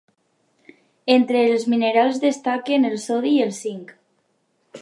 Entre els minerals destaquen el sodi i el zinc